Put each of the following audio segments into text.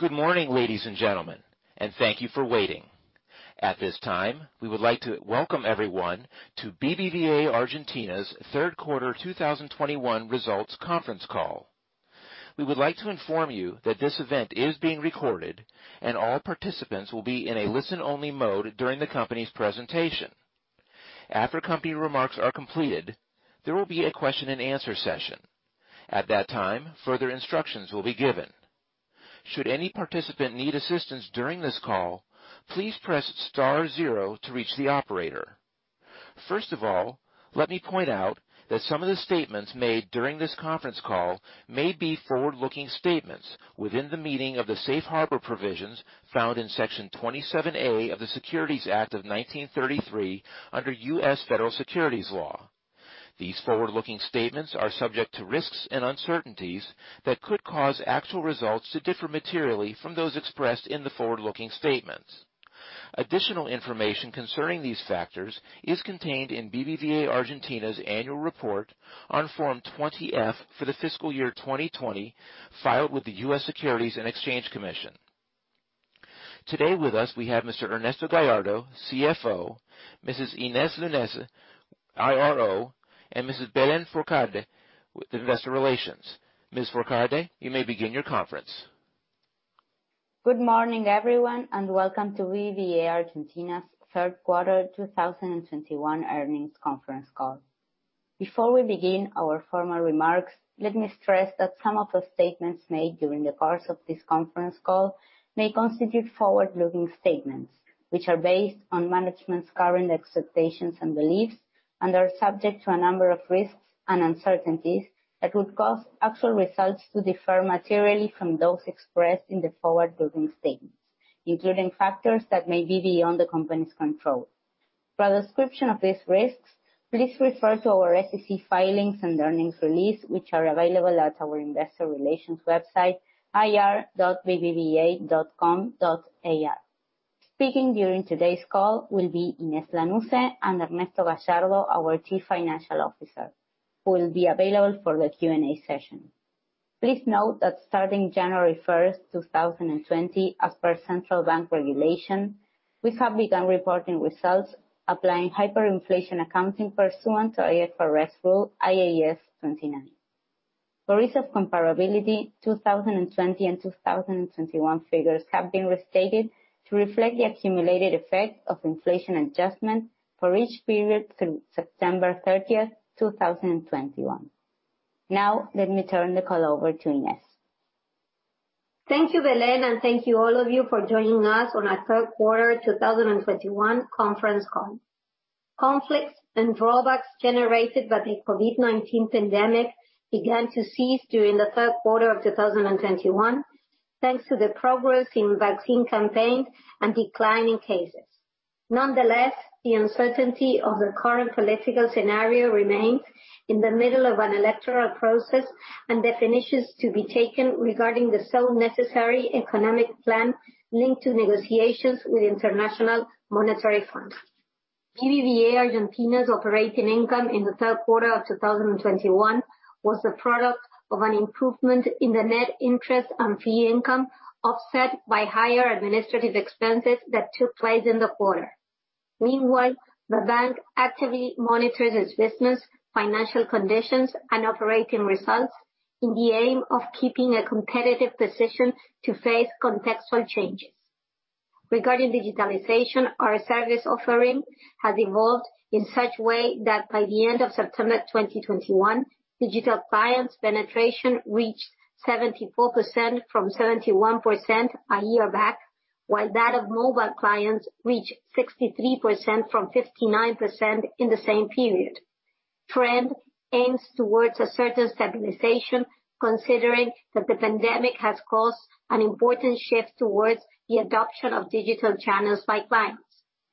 Good morning, ladies and gentlemen, and thank you for waiting. At this time, we would like to welcome everyone to BBVA Argentina's Q3 2021 results conference call. We would like to inform you that this event is being recorded, and all participants will be in a listen-only mode during the company's presentation. After company remarks are completed, there will be a question-and-answer session. At that time, further instructions will be given. Should any participant need assistance during this call, please press star zero to reach the operator. First of all, let me point out that some of the statements made during this conference call may be forward-looking statements within the meaning of the safe harbor provisions found in Section 27A of the Securities Act of 1933 under U.S. Federal Securities law. These forward-looking statements are subject to risks and uncertainties that could cause actual results to differ materially from those expressed in the forward-looking statements. Additional information concerning these factors is contained in BBVA Argentina's annual report on Form 20-F for the fiscal year 2020 filed with the US Securities and Exchange Commission. Today with us, we have Mr. Ernesto Gallardo, CFO, Mrs. Inés Lanusse, IRO, and Mrs. Belén Fourcade with investor relations. Ms. Fourcade, you may begin your conference. Good morning, everyone, and welcome to BBVA Argentina's Q3 2021 earnings conference call. Before we begin our formal remarks, let me stress that some of the statements made during the course of this conference call may constitute forward-looking statements, which are based on management's current expectations and beliefs and are subject to a number of risks and uncertainties that would cause actual results to differ materially from those expressed in the forward-looking statements, including factors that may be beyond the company's control. For a description of these risks, please refer to our SEC filings and earnings release, which are available at our investor relations website, ir.bbva.com.ar. Speaking during today's call will be Inés Lanusse and Ernesto Gallardo, our Chief Financial Officer, who will be available for the Q&A session. Please note that starting 1 January 2020, as per Central Bank regulation, we have begun reporting results applying hyperinflation accounting pursuant to IFRS rule IAS 29. For reasons of comparability, 2020 and 2021 figures have been restated to reflect the accumulated effect of inflation adjustment for each period through 30 September 2021. Now, let me turn the call over to Inés. Thank you, Belén, and thank you all of you for joining us on our Q3 2021 conference call. Conflicts and drawbacks generated by the COVID-19 pandemic began to cease during the Q3 of 2021, thanks to the progress in vaccine campaigns and decline in cases. Nonetheless, the uncertainty of the current political scenario remains in the middle of an electoral process and definitions to be taken regarding the so necessary economic plan linked to negotiations with International Monetary Fund. BBVA Argentina's operating income in the Q3 of 2021 was the product of an improvement in the net interest and fee income, offset by higher administrative expenses that took place in the quarter. Meanwhile, the bank actively monitors its business, financial conditions, and operating results in the aim of keeping a competitive position to face contextual changes. Regarding digitalization, our service offering has evolved in such way that by the end of September 2021, digital clients penetration reached 74% from 71% a year back, while that of mobile clients reached 63% from 59% in the same period. Trend aims towards a certain stabilization considering that the pandemic has caused an important shift towards the adoption of digital channels by clients.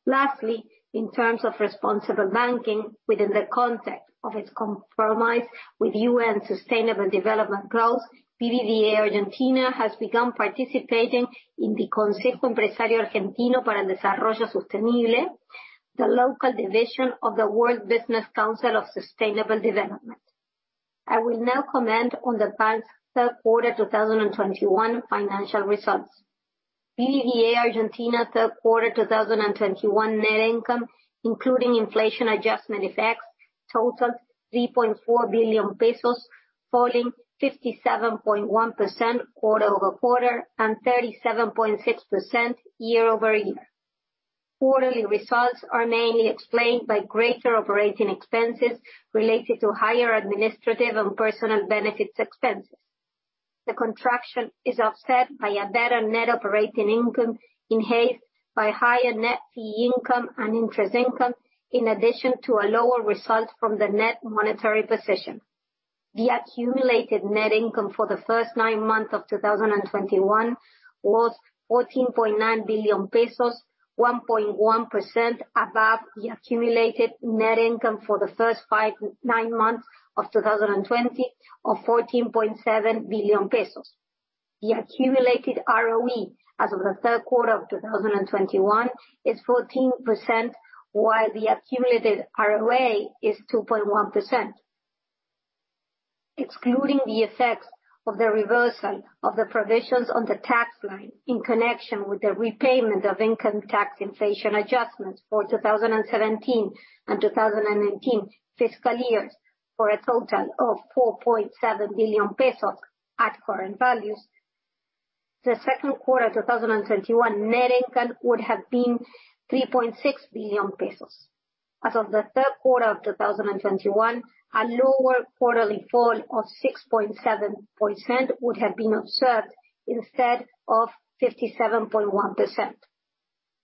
Lastly, in terms of responsible banking within the context of its compromise with UN Sustainable Development Goals, BBVA Argentina has begun participating in the Consejo Empresario Argentino para el Desarrollo Sostenible, the local division of the World Business Council for Sustainable Development. I will now comment on the bank's Q3 2021 financial results. BBVA Argentina Q3 2021 net income, including inflation adjustment effects, totaled 3.4 billion pesos, falling 57.1% quarter-over-quarter and 37.6% year-over-year. Quarterly results are mainly explained by greater operating expenses related to higher administrative and personal benefits expenses. The contraction is offset by a better net operating income enhanced by higher net fee income and interest income, in addition to a lower result from the net monetary position. The accumulated net income for the first nine months of 2021 was 14.9 billion pesos, 1.1% above the accumulated net income for the first nine months of 2020, or 14.7 billion pesos. The accumulated ROE as of the Q3 of 2021 is 14%, while the accumulated ROA is 2.1%. Excluding the effects of the reversal of the provisions on the tax line in connection with the repayment of income tax inflation adjustments for 2017 and 2019 fiscal years for a total of 4.7 billion pesos at current values, the Q1 of 2021 net income would have been 3.6 billion pesos. As of the Q3 of 2021, a lower quarterly fall of 6.7% would have been observed instead of 57.1%.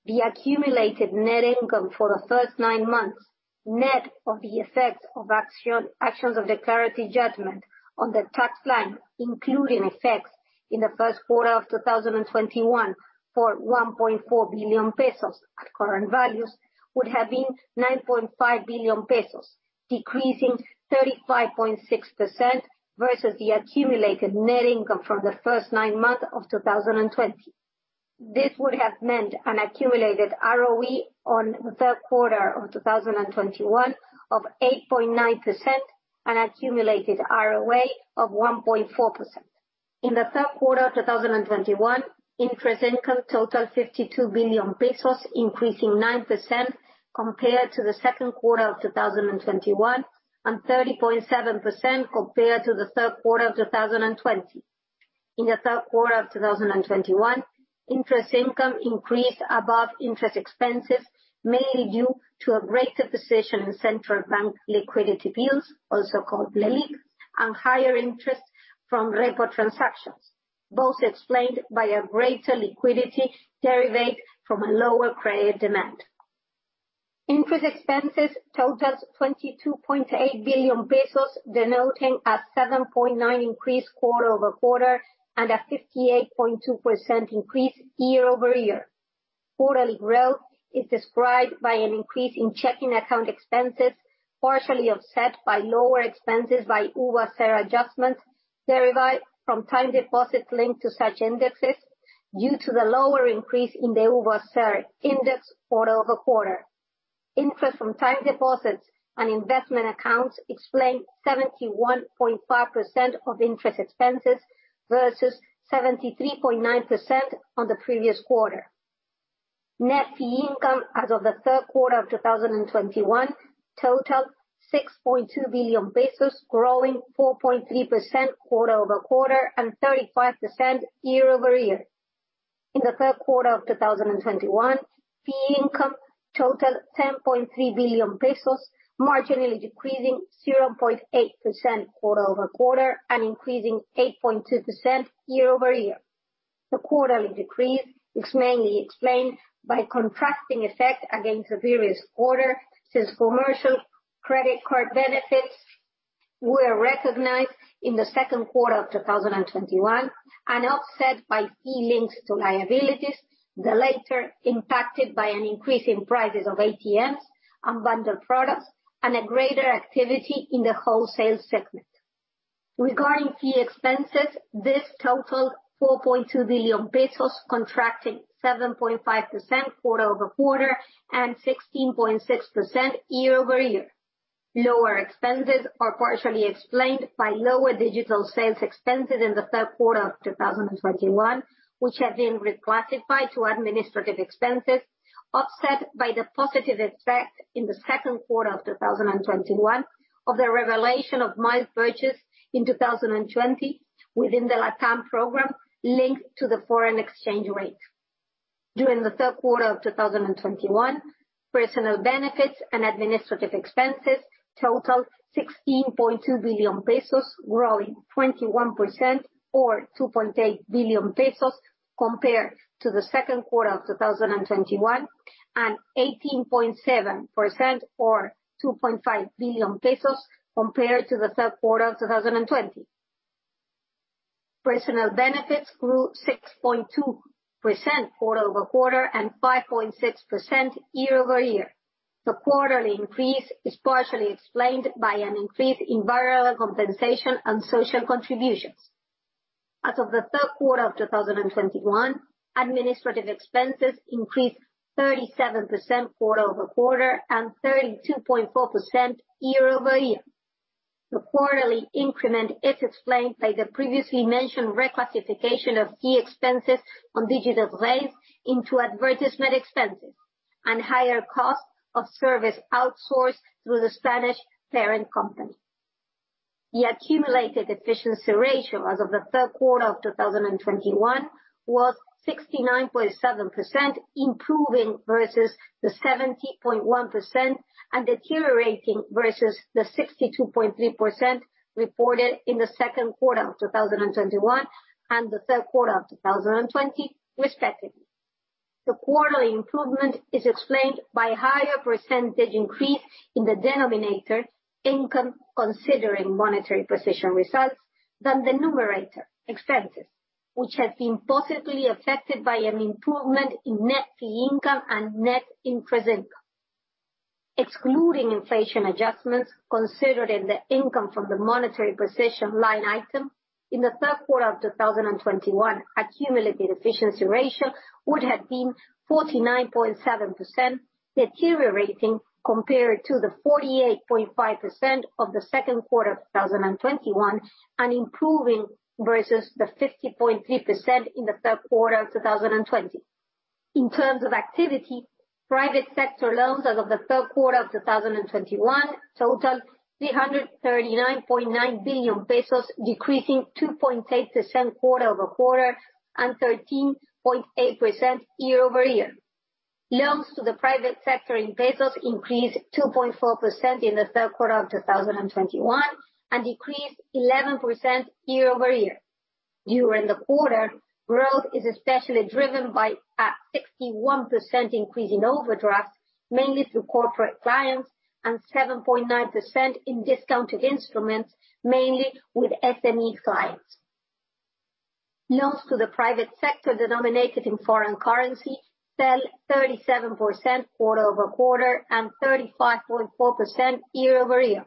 The accumulated net income for the first nine months, net of the effects of actions of the clarity judgment on the tax plan, including effects in the Q1 of 2021 for 1.4 billion pesos at current values, would have been 9.5 billion pesos, decreasing 35.6% versus the accumulated net income from the first nine months of 2020. This would have meant an accumulated ROE on the Q3 of 2021 of 8.9% and accumulated ROA of 1.4%. In the Q3 of 2021, interest income totaled 52 billion pesos, increasing 9% compared to the Q2 of 2021 and 30.7% compared to the Q3 of 2020. In the Q3 of 2021, interest income increased above interest expenses, mainly due to a greater position in central bank liquidity bills, also called LELIQs, and higher interest from repo transactions, both explained by a greater liquidity derived from a lower credit demand. Interest expenses totaled 22.8 billion pesos, denoting a 7.9% increase quarter-over-quarter and a 58.2% increase year-over-year. Quarterly growth is described by an increase in checking account expenses, partially offset by lower expenses by UVA adjustment derived from time deposits linked to such indexes due to the lower increase in the UVA index quarter-over-quarter. Interest from time deposits and investment accounts explain 71.5% of interest expenses versus 73.9% on the previous quarter. Net fee income as of the Q3 of 2021 totaled 6.2 billion pesos, growing 4.3% quarter-over-quarter and 35% year-over-year. In the Q3 of 2021, fee income totaled ARS 10.3 billion, marginally decreasing 0.8% quarter-over-quarter and increasing 8.2% year-over-year. The quarterly decrease is mainly explained by contracting effect against the previous quarter since commercial credit card benefits were recognized in the Q2 of 2021 and offset by fee links to liabilities, the latter impacted by an increase in prices of ATMs and bundled products and a greater activity in the wholesale segment. Regarding fee expenses, this totaled 4.2 billion pesos, contracting 7.5% quarter-over-quarter and 16.6% year-over-year. Lower expenses are partially explained by lower digital sales expenses in the Q3 of 2021, which have been reclassified to administrative expenses, offset by the positive effect in the Q2 of 2021 of the redemption of miles purchased in 2020 within the LATAM program linked to the foreign exchange rate. During the Q3 of 2021, personal benefits and administrative expenses totaled 16.2 billion pesos, growing 21% or 2.8 billion pesos compared to the Q2 of 2021, and 18.7% or ARS 2.5 billion compared to the Q3 of 2020. Personal benefits grew 6.2% quarter-over-quarter and 5.6% year-over-year. The quarterly increase is partially explained by an increase in variable compensation and social contributions. As of the Q3 of 2021, administrative expenses increased 37% quarter-over-quarter and 32.4% year-over-year. The quarterly increment is explained by the previously mentioned reclassification of key expenses on digital banks into advertisement expenses and higher cost of service outsourced through the Spanish parent company. The accumulated efficiency ratio as of the Q3 of 2021 was 69.7%, improving versus the 70.1% and deteriorating versus the 62.3% reported in the Q2 of 2021 and the Q3 of 2020 respectively. The quarterly improvement is explained by higher percentage increase in the denominator income considering monetary position results than the numerator expenses, which has been positively affected by an improvement in net fee income and net interest income. Excluding inflation adjustments considered in the income from the monetary position line item. In the Q3 of 2021, accumulated efficiency ratio would have been 49.7%, deteriorating compared to the 48.5% of the Q2 of 2021, and improving versus the 50.3% in the Q3 of 2020. In terms of activity, private sector loans as of the Q3 of 2021 totaled 339.9 billion pesos, decreasing 2.8% quarter-over-quarter and 13.8% year-over-year. Loans to the private sector in pesos increased 2.4% in the Q3 of 2021, and decreased 11% year-over-year. During the quarter, growth is especially driven by a 61% increase in overdraft, mainly through corporate clients, and 7.9% in discounted instruments, mainly with SME clients. Loans to the private sector denominated in foreign currency fell 37% quarter-over-quarter and 35.4% year-over-year.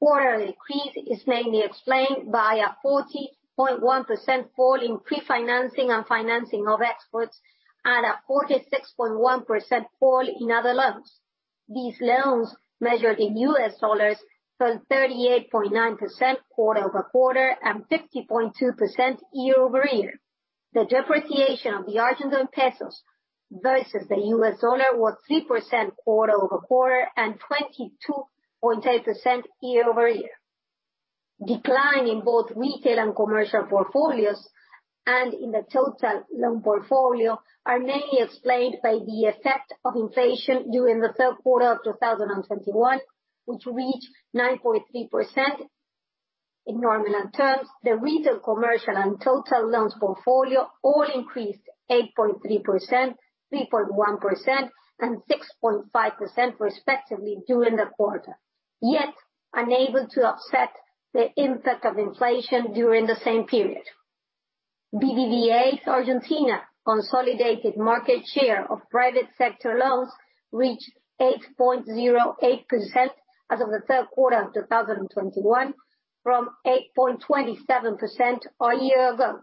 Quarterly decrease is mainly explained by a 40.1% fall in pre-financing and financing of exports and a 46.1% fall in other loans. These loans, measured in US dollars, fell 38.9% quarter-over-quarter and 50.2% year-over-year. The depreciation of the Argentine pesos versus the US dollar was 3% quarter-over-quarter and 22.8% year-over-year. Decline in both retail and commercial portfolios and in the total loan portfolio are mainly explained by the effect of inflation during the Q3 of 2021, which reached 9.3%. In nominal terms, the retail, commercial, and total loans portfolio all increased 8.3%, 3.1%, and 6.5% respectively during the quarter, yet unable to offset the impact of inflation during the same period. BBVA Argentina consolidated market share of private sector loans reached 8.08% as of the Q3 of 2021, from 8.27% a year ago.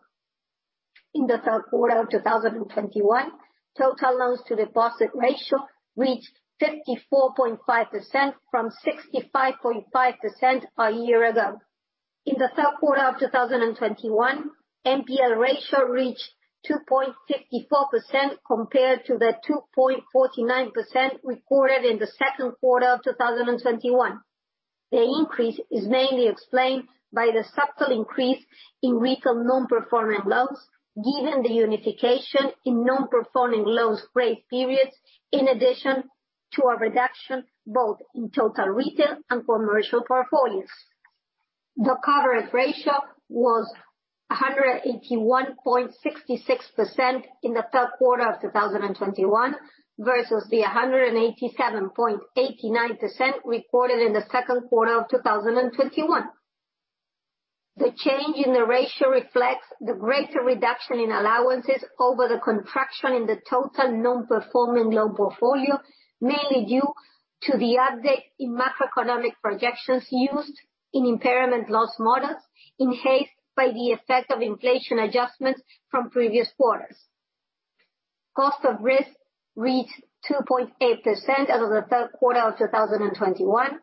In the Q3 of 2021, total loans to deposit ratio reached 54.5% from 65.5% a year ago. In the Q3 of 2021, NPL ratio reached 2.54% compared to the 2.49% recorded in the Q2 of 2021. The increase is mainly explained by the subtle increase in retail non-performing loans, given the unification in non-performing loans grace periods, in addition to a reduction both in total retail and commercial portfolios. The coverage ratio was 181.66% in the Q3 of 2021 versus the 187.89% recorded in the Q2 of 2021. The change in the ratio reflects the greater reduction in allowances over the contraction in the total non-performing loan portfolio, mainly due to the update in macroeconomic projections used in impairment loss models, enhanced by the effect of inflation adjustments from previous quarters. Cost of risk reached 2.8% as of the Q3 of 2021,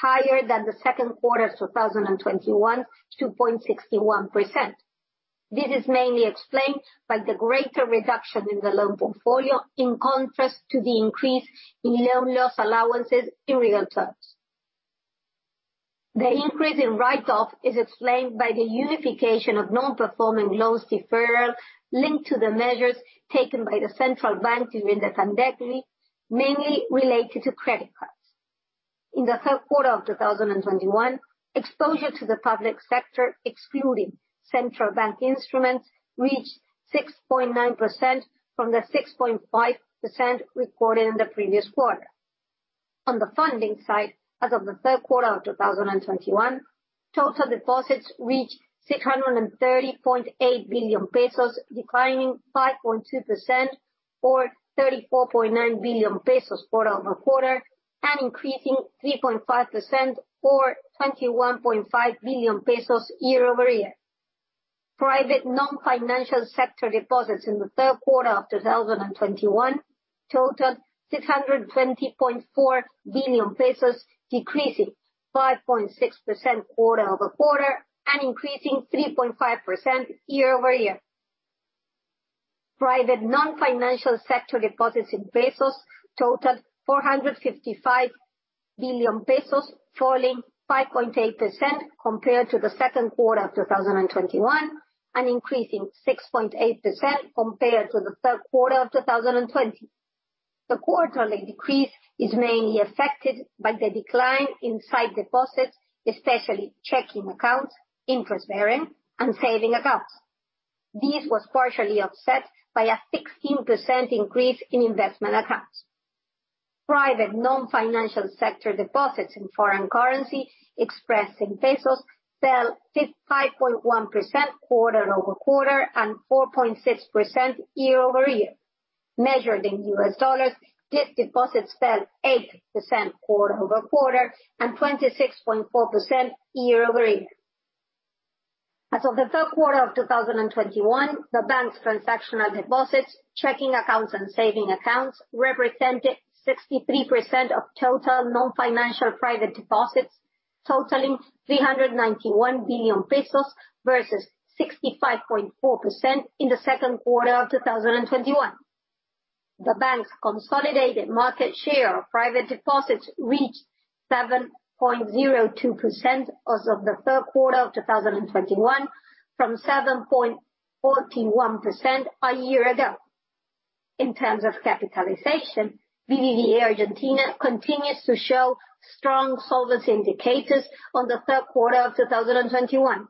higher than the Q2 of 2021, 2.61%. This is mainly explained by the greater reduction in the loan portfolio, in contrast to the increase in loan loss allowances in real terms. The increase in write-off is explained by the unification of non-performing loans deferral linked to the measures taken by the central bank during the pandemic, mainly related to credit cards. In the Q3 of 2021, exposure to the public sector, excluding central bank instruments, reached 6.9% from the 6.5% recorded in the previous quarter. On the funding side, as of the Q3 of 2021, total deposits reached 630.8 billion pesos, declining 5.2% or 34.9 billion pesos quarter-over-quarter, and increasing 3.5% or 21.5 billion pesos year-over-year. Private non-financial sector deposits in the Q3 of 2021 totaled ARS 620.4 billion, decreasing 5.6% quarter-over-quarter, and increasing 3.5% year-over-year. Private non-financial sector deposits in pesos totaled 455 billion pesos, falling 5.8% compared to the Q2 of 2021, and increasing 6.8% compared to the Q3 of 2020. The quarterly decrease is mainly affected by the decline in sight deposits, especially checking accounts, interest-bearing, and savings accounts. This was partially offset by a 16% increase in investment accounts. Private non-financial sector deposits in foreign currency expressed in pesos fell 65.1% quarter-over-quarter and 4.6% year-over-year. Measured in U.S. dollars, these deposits fell 8% quarter-over-quarter and 26.4% year-over-year. As of the Q3 of 2021, the bank's transactional deposits, checking accounts and saving accounts represented 63% of total non-financial private deposits, totaling ARS 391 billion versus 65.4% in the Q2 of 2021. The bank's consolidated market share of private deposits reached 7.02% as of the Q3 of 2021 from 7.41% a year ago. In terms of capitalization, BBVA Argentina continues to show strong solvency indicators in the Q3 of 2021.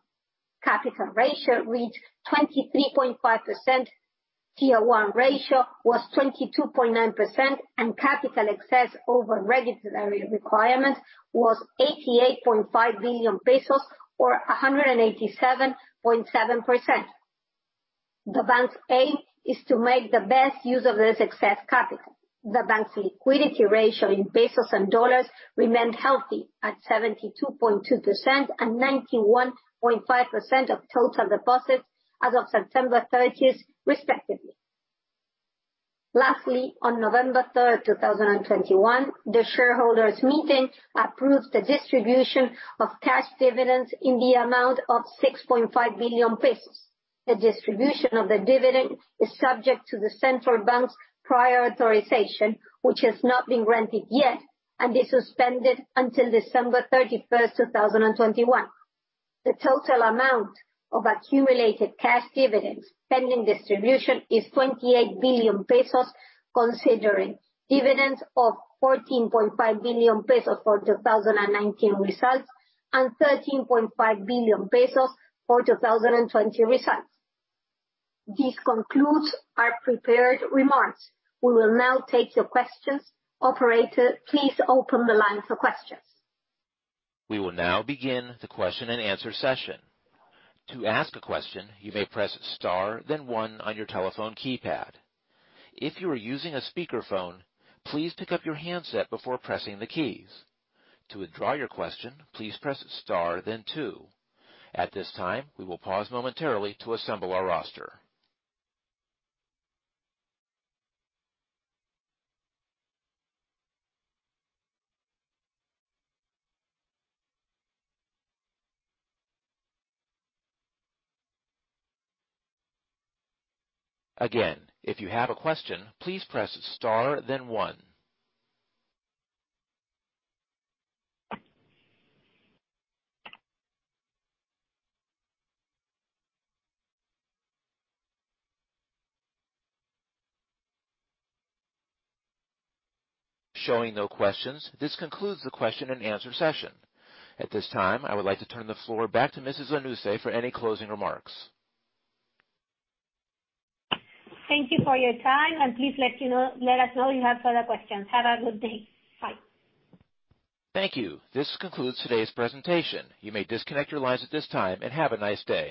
Capital ratio reached 23.5%. Tier 1 ratio was 22.9%, and capital excess over regulatory requirements was ARS 88.5 billion or 187.7%. The bank's aim is to make the best use of this excess capital. The bank's liquidity ratio in pesos and dollars remained healthy at 72.2% and 91.5% of total deposits as of 30 September respectively. Lastly, on 3 November 2021, the shareholders meeting approved the distribution of cash dividends in the amount of 6.5 billion pesos. The distribution of the dividend is subject to the central bank's prior authorization, which has not been granted yet, and is suspended until 31 December 2021. The total amount of accumulated cash dividends pending distribution is 28 billion pesos, considering dividends of 14.5 billion pesos for 2019 results and 13.5 billion pesos for 2020 results. This concludes our prepared remarks. We will now take your questions. Operator, please open the line for questions. We will now begin the question and answer session. To ask a question, you may press star then one on your telephone keypad. If you are using a speakerphone, please pick up your handset before pressing the keys. To withdraw your question, please press star then two. At this time, we will pause momentarily to assemble our roster. Again, if you have a question, please press star then one. Showing no questions. This concludes the question and answer session. At this time, I would like to turn the floor back to Mrs. Inés Lanusse for any closing remarks. Thank you for your time, and let us know if you have further questions. Have a good day. Bye. Thank you. This concludes today's presentation. You may disconnect your lines at this time and have a nice day.